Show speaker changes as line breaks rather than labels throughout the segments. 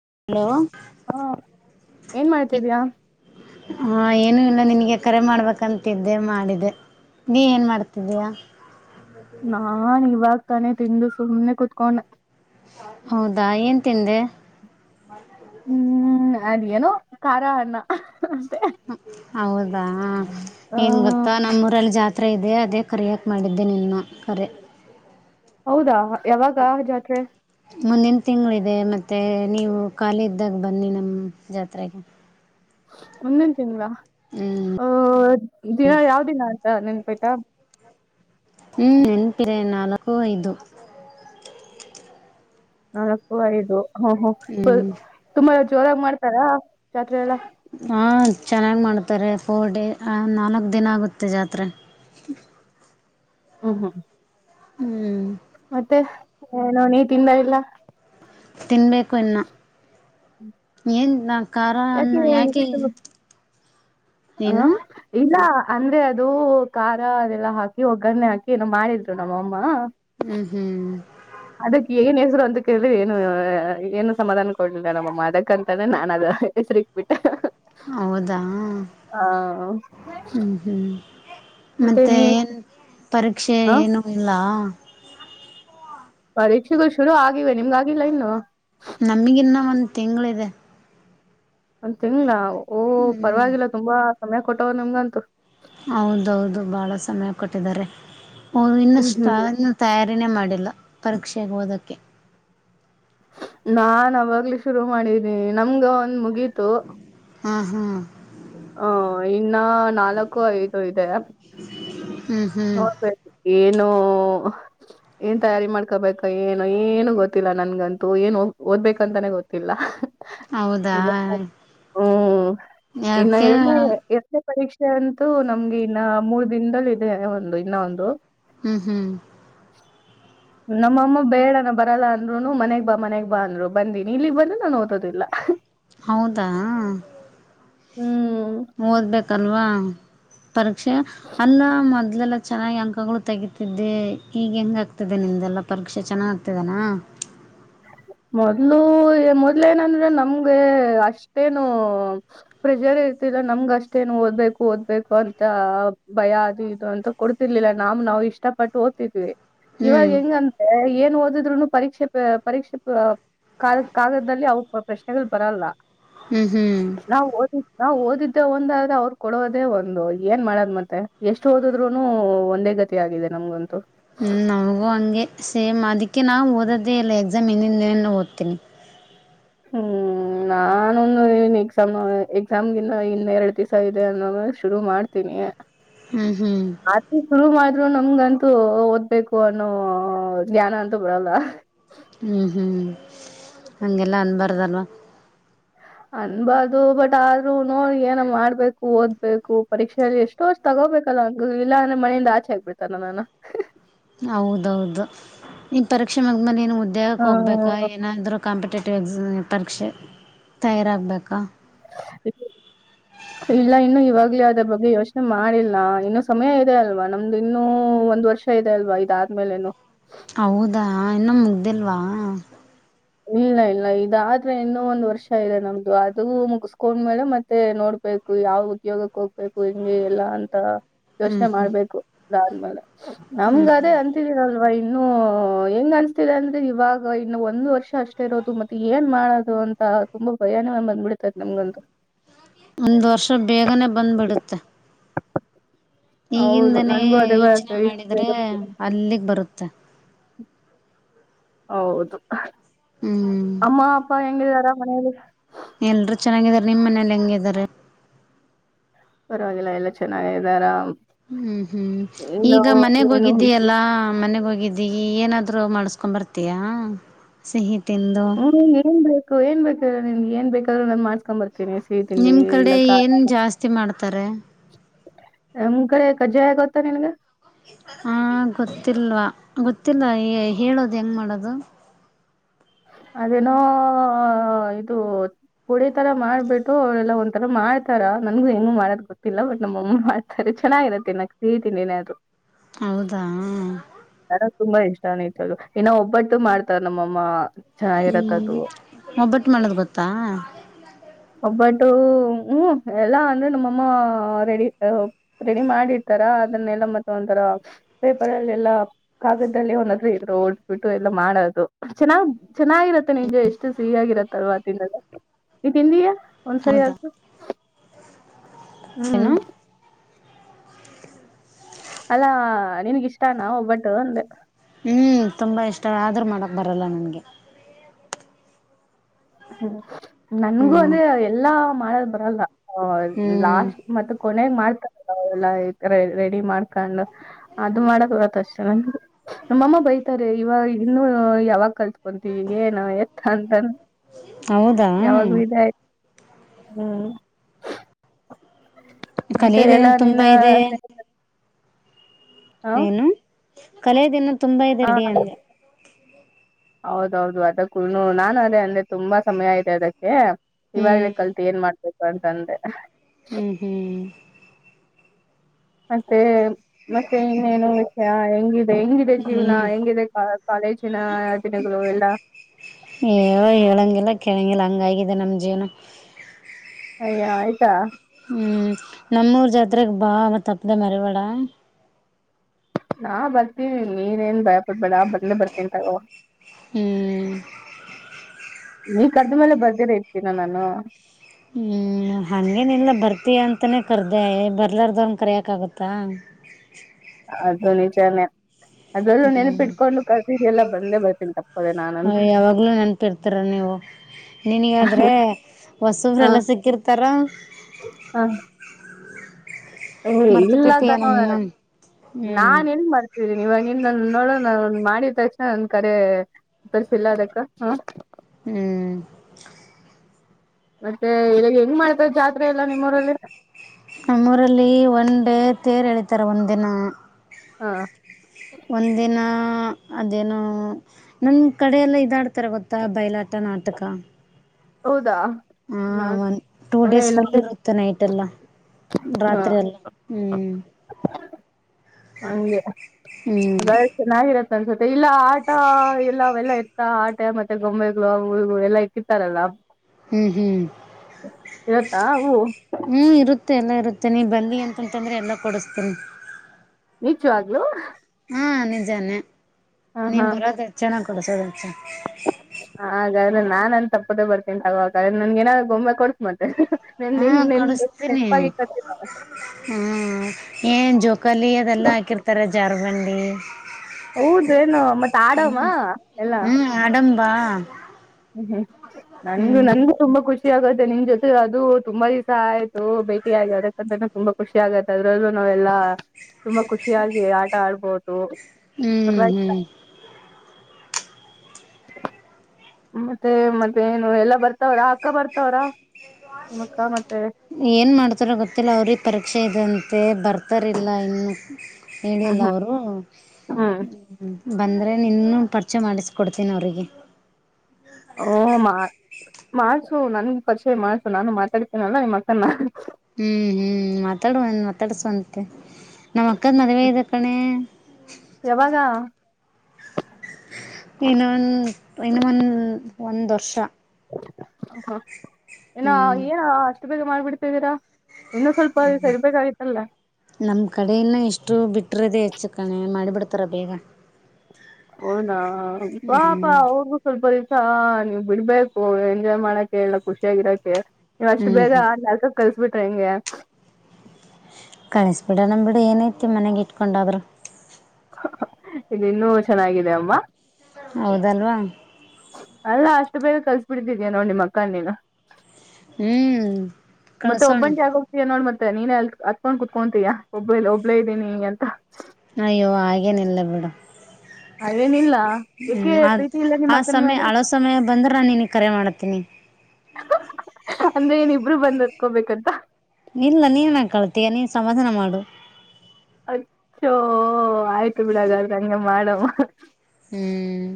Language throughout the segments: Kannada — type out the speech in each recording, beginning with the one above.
[unintelligible]
ಹಾ ಏನ್ ಮಾಡ್ತಿದೀಯಾ?
ಎಲ್ಲ ನಿನಗೆ ಕರೆ ಮಾಡ್ಬೇಕಂತಿದ್ದೆ ಮಾಡಿದೆೆ ನೀ ಏನ್ ಮಾಡ್ತಿದ್ದೀಯಾ?
ನಾನ್ ಇವಾಗ ತಾನೆ ತಿಂದು ಸುಮ್ನೆ ಕುತ್ಕೊಂಡ.
ಹೌದಾ ಏನ್ ತಿಂದೆ?
ಹ್ಮ್ ಅದ ಏನೋ ಖಾರ ಅಣ್ಣ.
ಹೌದಾ
ಹ
ಏನ್ ಗೊತ್ತಾ ನಮ್ಮ ಊರಲ್ಲಿ ಜಾತ್ರಿ ಹತ್ರ ಇದೆ ಅದೇ ಕರಿಯಕೆ ಮಾಡಿದ್ದೆ ನಿನ್ನ ಕರೆ
ಹೌದಾ ಯಾವಾಗ ಜಾತ್ರೆ
ಮುಂದಿನ ತಿಂಗಳಿದೆ ಮತ್ತೆ ನೀವು ಖಾಲಿ ಇದ್ದಾಗ ಬನ್ನಿ ನಮ್ಮ ಜಾತ್ರೆಗೆ.
ಮುಂದಿನ ತಿಂಗಳ
ಹ್ಮ್
ಅ ದಿನ ಯಾವ ದಿನ ಆಂತ ನೆನಪ ಐತಾ.
ಹ್ಮ್ ನೆನಪಿದೆ ನಾಲ್ಕು ಐದು
ನಾಲ್ಕು ಐದು ಹ ಹ
ಹ್ಮ್
ತುಂಬಾ ಜೋರಾಗಿ ಮಾಡ್ತಾರಾ ಜಾತ್ರೆ ಎಲ್ಲ
ಹಾ ಚೆನ್ನಾಗ್ ಮಾಡ್ತಾರೆ ಫೋರ್ ಡೇ ನಾಲ್ಕು ದಿನ ಆಗುತ್ತೆ ಜಾತ್ರೆ.
ಹ್ಮ್ ಹ್ಮ್
ಹ್ಮ್
ಮತ್ತೆ ನೀ ತಿಂದ ಇಲ್ಲಾ?
ತಿನ್ಬೇಕು ಇನ್ನ ಏನು ಖಾರನ್ನ ಯಾಕೆ?
ಹ
ನೀನು
ಇಲ್ಲ. ಅಂದ್ರೆ ಅದು ಖಾರ ಅದೆಲ್ಲಾ ಹಾಕಿ ಒಗ್ಗರಣೆ ಹಾಕಿ ಏನ ಮಾಡಿದ್ರು ನಮ್ಮಮ್ಮ.
ಹ್ಮ್ ಹ್ಮ್.
ಅದಕ್ ಏನ್ ಹೆಸ್ರು ಅಂತ ಕೇಳಿದ್ರೆ ಏನು ಏನು ಸಮಾಧಾನ ಕೊಡ್ಲಿಲ್ಲ ನಮ್ಮಮ್ಮ ಅದಕ್ಕಂತಾನೆ ನಾನ್ ಅದ ಹೆಸರಿಕ್ಬಿಟ್ಟೆ.
ಹೌದಾ
ಆ
ಹ್ಮ್ ಹ್ಮ್. ಮತ್ತೆ ಏನ್ ಪರೀಕ್ಷೆ
ಹ
ಏನು ಇಲ್ಲ?
ಪರೀಕ್ಷೆಗಳು ಶುರು ಆಗಿವೆ ನಿಮ್ದು ಆಗಿಲ್ಲ ಇನ್ನು.
ನಮಗಿನ್ನ ಒಂದು ತಿಂಗಳಿದೆ
ಒಂದ ತಿಂಗಳ ಓ
ಹ್ಮ್
ಪರವಾಗಿಲ್ಲ ತುಂಬಾ ಸಮಯ ಕೊಟ್ಟವ್ರೇ ನಮ್ಗಂತೂ
ಹೌದೌದು ಬಹಳ ಸಮಯ ಕೊಟ್ಟಿದ್ದಾರೆ
ಹ್ಮ್ ಹ್ಮ್
ಇನ್ನಷ್ಟನ್ನು ತಯಾರಿನೇ ಮಾಡಿ ಇಲ್ಲ ಪರೀಕ್ಷೆಗೆ ಓದಕ್ಕೆೆ.
ನಾನ ಆವಾಗ್ಲಿ ಶುರು ಮಾಡಿದೀನಿ ನಮ್ಗ ಒಂದ್ ಮುಗೀತು.
ಹ್ಮ ಹ್ಮ್
ಹ ಇನ್ನ ನಾಲ್ಕು ಐದು ಇದೆ.
ಹ್ಮ್ ಹ್ಮ್
ನೋಡ್ಬೇಕು ಏನು ಏನ್ ತಯಾರಿ ಮಾಡ್ಕೊಬೇಕ ಏನು ಏನು ಗೊತ್ತಿಲ್ಲ ನನ್ಗಂತೂ ಏನ್ ಓದ್ಬೇಕಂತಾನೆ ಗೊತ್ತಿಲ್ಲ.
ಹೌದಾ ಯಾ
ಎರಡೇ [inaudible] ಪರೀಕ್ಷೆ ಅಂತೂ ನಮ್ಗೆ ಇನ್ನ ಮೂರ್ ದಿನದಲ್ಲ ಇದೆ ಒಂದು ಇನ್ನ ಒಂದು.
ಹ್ಮ್ ಹ್ಮ್.
[unintelligible] ನಮ್ಮಮ್ಮ ಬೇಡ ನಾ ಬರಲ್ಲ ಅಂದ್ರುನು ಮನೆಗ್ ಬಾ ಮನೆಗ್ ಬಾ ಅಂದ್ರು ಬಂದಿನಿ ಇಲ್ಲಿಗ್ ಬಂದ್ರೆ ನಾನ್ ಓದೋದಿಲ್ಲ.
ಹೌದಾ?
ಹ್ಮ್
ಓದ್ಬೇಕಲ್ವಾ. ಪರೀಕ್ಷೆ ಅಲ್ಲ ಮೊದ್ಲೆಲ್ಲ ಚೆನ್ನಾಗಿ ಅಂಕಗಳು ತೆಗತಿದ್ದೆ ಈಗ ಹೆಂಗ ಆಗ್ತಿದೆ ನಿ ನಿಂದೆಲ್ಲ ಪರೀಕ್ಷೆ ಚೆನ್ನಾಗಾಗ್ತಿದೇನ?
ಮೊದ್ಲು ಮೊದ್ಲೇನಂದ್ರೆ ನಮ್ಗೆ ಅಷ್ಟೇನು ಪ್ರೆಷರ್ ಇ ನಮ್ಗ ಅಷ್ಟೇನು ಓದ್ಬೇಕು ಓದ್ಬೇಕು ಅಂತ ಭಯ ಅದು ಇದು ಅಂತ ಕೊಡ್ತಿರ್ಲಿಲ್ಲ ನಾಮ್ ನಾವ್ ಇಷ್ಟಪಟ್ಟು ಓದ್ತಿದ್ವಿ
ಹ್ಞೂ
ಇವಾಗ ಹೆಂಗಂದ್ರೆ ಏನ್ ಓದಿದ್ರುನು ಪರೀಕ್ಷೆ ಪರೀಕ್ಷೆ ಕಾಲ್ ಕಾಲದಲ್ಲಿ ಅವು ಪ್ರಶ್ನೆಗಳು ಬರಲ್ಲ.
ಹ್ಞೂ ಹ್ಞೂ
ನಾವು ಓದಿ ನಾವ್ ಓದಿದ್ದೆ ಒಂದಾದ್ರೆ ಅವ್ರ್ ಕೊಡೋದೇ ಒಂದು ಏನ್ ಮಾಡದ್ ಮತ್ತೆ ಎಷ್ಟು ಓದದ್ರುೂನು ಒಂದೇ ಗತಿ ಆಗಿದೆ ನಮ್ಗಂತೂ.
ಅದ್ಕೆ ನಾವು ಓದೋದೇ ಇಲ್ಲ ಎಕ್ಸಾಮ್ ಹಿಂದಿನೆ ಓದ್ತೀನಿ.
ಹ್ಮ ನಾನುನೂ ಇನ್ ಎಕ್ಸಾಮ್ ಎಕ್ಸಾಮ್ಗಿನ್ನ ಇನ್ನೆರಡ್ ದಿವಸ ಇದೆ ಅನ್ನೋವಾಗ್ ಶುರು ಮಾಡ್ತೀನಿ.
ಹ್ಞೂ ಹ್ಞೂ
ಆತಿ ಶುರು ಮಾಡ್ ರು ನಮ್ಗಂತೂ ಓದ್ಬೇಕು ಅನ್ನೋ ಜ್ಞಾನ ಅಂತೂ ಬರಲ್ಲ.
ಹಂಗೆಲ್ಲ ಅನ್ಬಾರ್ದಲ್ವ.
ಅನ್ಬಾರ್ದು ಬಟ್ ಆದ್ರೂ ನೋಡ್ ಏನೊ ಮಾಡ್ಬೇಕು ಓದ್ಬೇಕು ಪರೀಕ್ಷೆಯಲ್ಲಿ ಎಷ್ಟೋ ಷ್ಟ್ತಗೊ ಹಬೇಕಲ್ಲ ಇಲ್ಲಾ ಅಂದ್ರೆ ಮನೆಯಿಂದ ಆಚೆ ಆಗ್ಬಡ್ತಾರ್ ನನ್ನನ್ನ.
ಹೌದೌದು ನಿನ್ ಪರೀಕ್ಷೆ ಮಗ್ಮೇಲೆ ಏನು ಓ ಉ ದೇಹಕ್ಕೆ ಹೋಗಬೇಕಾ
ಹ
ಏನಾದರೂ ಕಾಂಪಿಟೇಟಿವ್ ಎಕ್ಸಾಮ್ ಪರೀಕ್ಷೆ ತಯಾರಾಗಬೇಕಾ?
ಹ ಇಲ್ಲ ಇನ್ನು ಇವಾಗ್ಲೇ ಅದ್ರ ಬಗ್ಗೆ ಯೋಚನೆ ಮಾಡಿಲ್ಲ ಇನ್ನು ಸಮಯ ಇದೆ ಅಲ್ವಾ ನಮ್ದು ಇನ್ನೂ ಒಂದ್ ವರ್ಷ ಇದೆ ಅಲ್ವಾ ಇದಾದ್ಮೇಲಿನ್ನೂ.
ಹೌದಾ ಇನ್ನು ಮುಗ್ದಿಲ್ವಾ?
ಇಲ್ಲ ಇಲ್ಲ ಇದಾದ್ರೆ ಇನ್ನೋ ಒಂದ್ ವರ್ಷ ಇದೆ ನಮ್ದು ಅದು ಮುಗಸ್ಕೊಂಡ್ಮೇಲೆ ಮತ್ತೆ ನೋಡ್ಬೇ ಕು ಯಾವ್ ಉದ್ಯೋಗಕ್ಕೆ ಹೋಗ್ಬೇಕು ಹಿಂಗೆ ಎಲ್ಲಾ ಅಂತ.
ಹ್ಮ್
ಯೋಚ್ನೆ
ಹ್ಮ್
ಮಾಡ್ಬೇಕು ಅದಾದ್ಮೇಲೆ ನಮ್ಗ್ ಅದೇ ಅಂತಿದೀರಲ್ರ ಬ ಇನ್ನು ಹೆಂಗ್ ಅನ್ಸತಿದೆ ಅಂದ್ರೆ ಇವಾಗ ಇನ್ನು ಒಂದು ವರ್ಷ ಅಷ್ಟೇ ಇರೋದು ಮತ್ತೆ ಏನ್ ಮಾಡೋದು ಅಂತ ತುಂಬಾ ಭಯಾನೇ ಬಂದ್ಬಿಡತ್ತೆ ನಮ್ಗಂತೂ.
ಒಂದ್ ವರ್ಷ ಬೇಗನೆ ಬಂದ್ಬಿಡುತ್ತೆ.
ಹೌದು
ಈಗಿಂದನೇ
ನನ್ಗೂ ಅದೇ ಭಯ
ಯೋಚನೆ
ಆಗ್ತದೆ ಇಷ್ಟು
ಮಾಡಿದ್ರೆ
ಬೇಗ
ಅಲ್ಲಿಗ್ ಬರುತ್ತೆ.
ಹೌದು
ಹ್ಮ್
ಅಮ್ಮ ಅಪ್ಪ ಹೆಂಗಿದಾರ ಮನೆಲ್ಲಿ?
ಎಲ್ರೂ ಚೆನ್ನಾಗಿದಾರೆ ನಿಮ್ ಮನೇಲಿ ಹೆಂಗಿದಾರೆ?
ಪರವಾಗಿಲ್ಲ ಎಲ್ಲ ಚೆನ್ನಾಗ ಇದ್ದಾರ.
ಹ್ಮ್ ಹ್ಮ್ ಈಗ ಮನೆಗ್
ಏನು ವಿಶೇಷ
ಬೊಗಿದ್ದೀಯಲ್ಲಾ ಮನೆ ಬೊಗ್ ಇದ್ದೀ ಏನಾದ್ರು ಮಾಡಸ್ಕೊಂಡ್ ಬರ್ತಿಯಾ ಸಿಹಿ- ತಿಂದು
ಹ್ಮ್ ಏನ್ಬೇಕು ಏನ್ ಬೇಕ್ ಹೇಳಿ ನಿಮ್ಗ್ ಏನ್ ಬೇಕಾದ್ರೂ ನಾನ್ ಮಾಡಸ್ಕೊಂಬರ್ ಇ ಸಿಹಿ ತಿಂಡಿ
ನಿಮ್ ಕಡೆ
ಇಲ್ಲ ಕ
ಏನ್ ಜಾಸ್ತಿ ಮಾಡ್ತಾರೆ
ನಮ್ ಕಡೆ ಕಜ್ಜಾಯ ಗೋತ್ತ ನಿಮ್ಗ?
ಹಾ ಗೊತ್ತಿಲ್ವಾ ಗೊತ್ತಿಲ್ಲ ಹೇಳು ಅದ್ ಹೆಂಗ್ ಮಾಡೋದು?
ಅದೇನೋ ಇದು ಹಡಿ ತರ ಮಾಡ್ಬಿಟ್ಟು ಎಲ್ಲಾ ಒಂಥರ ಮಾಡ್ತಾರ ನನ್ಗು ಹೆಂಗ್ ಮಾಡದ್ ಗೊತ್ತಿಲ್ಲ ಬಟ್ ನಮ್ಮಮ್ಮ ಮಾಡ್ತಾರೆ. ಚೆನ್ನಾಗಿರುತ್ತೆ ನಂಗ್ ಸಿಹಿ ತಿಂಡಿ ಏನಾದ್ರುಏನಾದ್ರು.
ಹೌದಾ?
ನನಗ್ ತುಂಬಾ ಇಷ್ಟನೇ ಇತ್ತದು ಇನ್ನ ಒಬ್ಬಟ್ಟು ಮಾಡ್ತಾರ್ ನಮ್ಮಮ್ಮ. ಚೆನ್ನಾಗಿರತ್ತ
ಹ್ಮ್
ಅದು
ಒಬ್ಬಟ್ಟ್ ಮಾಡದ್ ಗೊತ್ತಾ?
ಒಬ್ಬಟ್ಟು ಹ್ಮ್ ಎಲ್ಲಾ ಅಂದ್ರೆ ನಮ್ಮಮ್ಮ ರೆಡಿ ಹೂಂ ರೆಡಿ ಮಾಡಿರ್ತಾರ. ಅದನ್ನೆಲ್ಲಾ ಮತ್ತೆ ಒಂಥರ ಪೇಪರ್ ಅಲ್ಲಿ ಎಲ್ಲ ಕಾಗದದಲ್ಲಿ ಒಂದತ್ರ ಇದರು ಹೊಓಡ್ಬಿಟ್ಟು ಎಲ್ಲ ಮಾಡ ಚೆನ್ನ್ ಚೆನ್ನಾಗಿರತ್ತೆ ನಿಮಜ ಎಷ್ಟು ಸಿಹಿಯಾಗಿರತ್ತಲ್ ಆ ತಿಿನ ತಿಂದಿಯೇ
ಹೌದಾ
ಒಂದ್ಸಲಿಯಾದ್ರು ಹ್ಮ್
ಏನು
ಅಲ್ಲಾ ನಿನ್ಗಿಷ್ಟಾನ ಒಬ್ಬಟ್ಟು ಒಂದೆ
ಹ್ಮ್ ತುಂಬಾ ಇಷ್ಟ ಆದ್ರೂ ಮಾಡಕ್ ಬರಲ್ಲ ನನ್ಗೆ
ಹ್ಮ್ ನನ್ಗೂ
ಹ್ಮ್
ಅಂದ್ರೆ ಎಲ್ಲಾ ಮಾಡಕ್ ಬರಲ್ಲ
ಹ್ಮ್
ಲಾಸ್ಟ್ ಮತ್ ಕೊನಾಗ ಮಾಡ್ತಾರ ರೆಡಿ ಮಾಡ್ಕೊಂಡು ಅದು ಮಾಡಕ್ ಬರತ್ತ ಅಷ್ಟೆ ನನಗೆ ನಮ್ಮಮ್ಮ ಬೈತಾರೆ ಇವಾಗ ಇನ್ನು ಯಾವಾಗ ಕಲ್ಸ್ಕೊಂತೀವಿ ಏನ ಎತ್ತ ಅಂತಾನ
ಹೌದಾ
ಹ್ಮ್ ಮತ್ತೆ
ಕಲಿಯೋದಿನ
ಎಲ್ಲಾ
ತುಂಬಾ ಇದೆ
ನಿನ್ನಹಿತ
ಏನು ಕಲೆಯ ದಿನ ತುಂಬಾ ಇದೆ
ಹ
ರಡಿ ಅಂದೆ
ಹೌದೌದು ಅದಕ್ಕೂ ನಾನು ಅದೇ ಅಂದ್ರೆ ತುಂಬಾ ಸಮಯ ಐತೆ ಅದಕ್ಕೆ ಇವಾಗ್ಲೇ
ಹ್ಮ್
ಕಲ್ತಿು ಏನ್ ಮಾಡ್ಬೇಕು ಅಂತಂದ್ರೆ
ಹ್ಮ್ ಹ್ಮ್
ಮತ್ತೆ ಮತ್ತೆ ಇನ್ನೇನು ವಿಷಯ ಹೆಂಗ ಹೆಂಗಿದೆ ಜೀವನ
ಹ್ಮ್
ಹೆಂಗಿದೆ ಕಾಲೇಜಿನ ದಿನಗಳು ಎಲ್ಲಾ
ಏೋ ಹೇಳಂಗಿಲ್ಲ ಕೇಳಂಗಿಲ್ಲ ಹಂಗಗಾಗಿದೆ ನಮ ಜೀವನ
ಅಯಾ ಆಯ್ತಾ
ಹ್ಮ್ ನಮ್ಮೂರ್ ಜಾತ್ರೆಗ್ ಬಾ ಮ ತಪ್ಪದೆ ಮರಿ ಬೇಡ
ನಾ ಬರ್ತೀವಿ ನೀನೇನು ಭಯ ಪಡ್ಬೇಡ ಬಂದೇ ಬರ್ತಿನ್ ತಗೋ
ಹ್ಮ್ [inaudible]
ಈ ಕರುದ್ಮೇಲೆ ಬರ್ದೇ ಇರ್ತೀನಾ ನಾನು
ಹ್ಮ್ ಹ ಹಾಗೇನ ಇಲ್ಲ ಬರ್ತೀಯ ಅಂತಲೇ ಕರೆದೆ ಬರ್ಲಾರ್ದು ಅವಂಗೆ ಕರೋಕ್ಕಾಗುತ್ತಾ
ಅದದು ನಿಜಾನೇ ಅದೆಲ್ಲೂ
ಹ್ಮ್
ನೆನಪಿಟ್ಕೊಂಡು ಕಸೀರಿ ಎಲ್ಲ ಬಂದೇ ಬರ್ತಿಂತಪ್ಪ
ಹ ಯಾವಾಗ್ಲೂ ನೆನಪಿ ಇರ್ತರ ನೀವು ನಿನಗಾದ್ರೆ ಹೊಸರೆಲ್ಲ ಸಿಕ್ಕಿರ್ತಾರ
ಹಾ
ಮರ್ತು
ಇಲ್ಲ
ಬಿಟ್ಟಿಯ
ಕಾನೋ
ನಮ್ನ ಹ್ಮ್
ನಾನ್ ಹೆನ್ ಮಾಡ್ತಿದ್ದೀನಿ ಇವಾಗ ನೀನ್ ನೋಡೋ ನ ಮಾಡಿದ ತಕ್ಷಣ ಒಂದ ಕರೆ ತರ್ಸಿಲ್ಲ ಅದಕ್ಕ ಹ
ಹ್ಮ್
ಮತ್ತೆ ಇವಾಗ ಹೆಂಗ್ ಮಾಡ್ತಾರ ಜಾತ್ರೆ ಎಲ್ಲ ನಿಮ್ಮವರಲ್ಲಿ
ನಮ್ಮ ೂರಲ್ಲಿ ಒನ್ ಡೇ ತೇರು ಎಳೀತಾರೆ ಒಂದು ದಿನ
ಹಾ
ಒಂದಿನ ಅದೇನು ನಮ ಕಡೆ ಎಲ್ಲ ಇದಾಡ್ತಾರ ಗೊತ್ತಾ ಬೈಲಾಟ ನಾಟಕ
ಹೌದಾ
ಹ
ನಾನ್
ಒನ್ ಟೂ
ನೋಡೇ
ಡೇಸ್
ಇಲ್ಲ
ಫುಲ್ ಇರುತ್ತೆ ನೈಟ್ ಎಲ್ಲ
ಹ
ರಾತ್ರಿ ಎಲ್ಲ ಹ್ಮ್
ಹಂಗೆ
ಹ್ಮ್
ಅದ ಚೆನ್ನಾಗಿರತ್ತೆ ಅನ್ಸುತ್ತೆ ಇಲ್ಲ ಆಟ ಎಲ್ಲವೆಲ್ಲ ಇ ಆಟೆ ಮತ್ತೆ ಗೊಂಬೆಗಳು ಹುಳಗಳು ಎಲ್ಲಾ ಇಕ್ಕಿತ್ತಾರಲ್ಲ
ಹ್ಮ್ ಹ್ಮ್
ಇರತ್ತಾ ಅವು
ಹ್ಮ್ ಇರುತ್ತೆ ಎಲ್ಲಾ ಇರುತ್ತೆ [inaudible] ಮತ್ತೆ ನೀ ಬನ್ನಿ ಅಂತಂತಂದ್ರೆ ಎಲ್ಲ ಕೊಡಿಸ್ತೀನಿ
ನಿಜವ್ಲೂ
ಹಾ ನಿಜಾನೆ
ಹ ಹ
ನೀವು್
ಹ
ಬರೋದು ಹೆಚ್ಚ ಚೆನ್ನ ಕೊಡಸೋದು ಹೆಚ್ಚ
ಹಾಗಾದ್ರೆ ನಾನ್ನ್ ತಪ್ಪದೇ ಬರ್ತೀನಿಗೋ್ರೆ ನನ್ಗೇನ ಗೊಂಬೆ ಕೊಡ್ಸ್ ಮತ್ತೆ ನ
ಹಾ
ಇನ್ ನೆನ್
ಕೊಡಸ್ತೀನಿ
ಹೆೆಪಾಗಿ ಕತ್ತಿಲ್ಲ [unintelligible]
ಹ್ಮ್ ಏನ್ ಜೋಕಾಲಿ ಅದೆಲ್ಲಾ ಹಾಕಿರ್ತಾರ ಜಾರ್ಬಂಡಿ.
ಹೌದೇನೋ ಮತ್ ಆಡಮ
ಹ್ಮ್
ಎಲ್ಲ
ಹ್ಮ್ ಅಡಂಬಾ.
ಹ್ಮ್ ಹ್ಮ್ ನನ್ಗು ನನ್ಗು ತುಂಬಾ ಖುಷಿ. ಖುಷಿ ಆಗುತ್ತೆ ನಿಮ್ತೆ ಅದು ತುಂಬಾ ದಿವಸ ಆಯ್ತು ಭೇಟಿಗಿಡಕ್ಕಂತ ತುಂಬಾ ಖುಷಿ ಆಗುತ್ತೆ ಅದ್ರಲ್ಲೂ ನಾವು. ಲ್ಲಾ ತುಂಬಾ ಖುಷಿಯಾಗಿ ಆಟ ಆಡ್ಬೋದು ಪ
ಹ್ಮ್ ಹ್ಮ್
ಮತ್ತೆ ಮತ್ತೆನು ಎಲ್ಲ ಬರ್ತಾವ್ರಾ ಅಕ್ಕ ಬರ್ತಾವ್ರ. ನಿಮ್ಮಕ್ಕ ಮತ್ತೆ
ಏನ್ ಮಾಡ್ತಾರ ಗೊತ್ತಿಲ್ಲ ಅವ್ರಿಗೆ ಪರೀಕ್ಷೆ ಇ. ಅಂತೆ ಬರ್ತಾರಿಲ್ಲ ಇನ್ನುೂ
ಹ್ಮ್
ಹೇಳಿಲ್ಲ
ಹ್ಮ್
ಅವರು.
ಹ್ಮ್
ಬಂದ್ರೆ ನಿನ್ನ ಪರಿಚೆ ಮಾಡಿಸಕೊಡ್ತೀನಿ ಅವರಿಗೆ.
ಓ ಮಾ ಮಾಡ್ಸು ನನ್ಗೆ ಪರಿಚಯ ಮಾಡ್ಸು ನಾನು ಮಾತಾಡ್ತೀನಲ್ಲ ನಿಮ್ಮ ಅಕ್ಕ ನ.
ಹ್ಮ್ ಹ್ಮ್ ಮಾತಾಡುವ ಮಾತಾಡಸುವಂತೆ. ನಮ್ ಅಕ್ಕನ ಮದುವೆ ಇದೆ ಕಣೆ.
ಯಾವಾಗ
ಇನ್ನೊಂದ ಇನ್ನ ಒಂದ್ ಒಂದ್ ವರ್ಷ.
ಹ ಏನ್ನು
ಹ್ಮ್
ಏನ್ ಅಷ್ಟು ಬೇಗ ಮಾಡ್ಬಿಡ್ತಿದ್ದೀರಾ.
ಹ್ಮ ನಮ್ ಕಡೆಯನ ಎಷ್ಟು ಬಿಟ್ಟ. [unintelligible] ಹೆಚ್ಚು ಕಣ ಮಳಿಬಿಡತರ ಬೇಗ.
ಹನಾ ಪಾಪಾ ಅವ್ರಗೂ ಸ್ವಲ್ಪ. ಹಾ ನೀವ್ ಬಿಡ್ಬೇಕು ಎಂಜಾಯ್ ಮಾಡಕ್ಕೆ ಎಲ್ಲ ಖುಷಿಯಾಗಿರಕ್ಕೆ ನೀವ್ ಅಷ್ಟು
ಹ್ಮ್
ಬೇಗ.
ಹ್ಮ್
ಕಲ್ಸ ಬಿಟಂಗೆ.
ಕಳಿಸ್ಬಿಡ ನಮ್ಮ ಬಿಡು ಏನೈತಿ ಮನೆಗೆ ಇಟ್ಕೊಂಡಾದ್ರರು.
ಇನ್ನುೂ ಚೆನ್ನಾಗಿದೆ ಅಮ್ಮ.
ಹೌದಲ್ವಾ.
ಅಲ್ಲಾ ಅಷ್ಟು ಬೇಗ ಕಲ್ಸಬಿಟ್ಟಿದಿದ್ಯಾ ನೋ ನಿ ಮಕ್ಕನ್ನನೀನು.
ಹ್ಮ್.
ಮತ್ತೆ
ಕಳ್ಸೋಣ
ಒಬ್ಬಂಟಿಯಾಗ್ಹೋಗ್ತಿಯಾ ನೋಡ್ ಮತ್. ಮ ನೀನೇ ಅ ಅತ್ಕೊಂಡ್ ಕುತ್ಕೊತೀಯಾ ಒಬ್ಬ ಒಬ್ಲೇ ಇದೀನೀ ಅಂತ.
ಅಯ್ಯೋ ಹಾಗೇನ ಇಲ್ಲ ಬಿಡು.
ಏನಿಲ್ಲ. ಏಕೆ
ಹ್ಮ್ ಅ
ಪ್ರೀತಿ ಇಲ್ಲ ನಿಮ್
ಆ
ಅಕ್ಕನ್
ಸಮಯ
ಮೇಲೆ
ಹಳೋ ಸಮಯ ಬಂದ್ರೆ ನಾನು ನೀನ ಕರೆ ಮಾಡತೀನಿ.
ಅಂದ್ರೆ ನ ಇಬ್ರು ಬಂದ್ ಅತ್ಕೋಬೇಕಂತ.
ಇಲ್ಲ ನೀನ್ ಕಳತೀಯ ನೀನ್ ಸಮಾಧಾನ ಮಾಡು.
ಅಯ್ಯೋ ಆಯ್ತು ಬಿಡಗಾದ ಹಂಗೆ ಮಾಡವ.
ಹ್ಮ್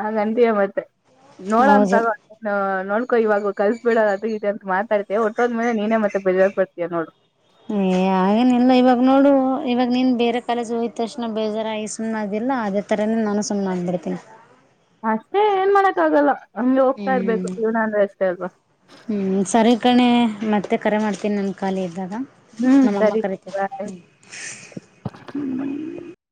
ಆ ಗಂತಿಯ ಮತ್ತೆ ನೋಡ
ಹೌದು
ತಗ ನೋಡ್. ಇವಾಗ ಕಲ್ಸ್ಬ ಬಿಡೋ ಅದು ಇದೆ ಅಂತ ಮಾತಾಡ್ತ ಒಟ್ಟೋದ್ಲೆ ನೀನೇ ಮತ್ತೆ ಬೆಳ ಬಡ್ತೀಾ ನೋಡುರು.
ಏ ಹಾಗೇನ ಇಲ್ಲ ಇವಾಗ ನೋಡು ಇವಾಗ ನೀನ್ ಬೇರೆ ಕಾಲೇಜ್ ಹೋಯ್ ಅಕ್ಷ್ಣ ನ ಬೇಜಾರ ಈ ಸುಮ್ ಆಗಿ. ಅಲ್ಲ ಅದೇ ತರೇ ನಾನು ಸುಮ್ನೆ ಆಗ ಬಿಡ್ತೀನಿ.
ಅಷ್ಟೇ ಏನ್ ಮಾಡಕ್ಕ ಆಗಲ್ಲ. ಹಂಗೆ ಹೋಗ್ತಾ ಇರ್ಬೇಕು
ಹ್ಮ್
ಜೀವನ ಅಂದ್ರೆ ಅಷ್ಟೇ ಅಲ್ವಾ
ಹ್ಮ್ ಸರಿ ಕಣೆ. ಮತ್ತೆ ಕರೆ ಮಾಡ್ತೀನಿ ನನ್ನ ಖಾಲಿ ಇದು. ಇದಾಗ
ಹ್ಮ್
ನಮ್ಮಮ್ಮ
ಸರಿ
ಕರತತೆ
ಬಾಯ್
ಹ್ಮ್ಮ.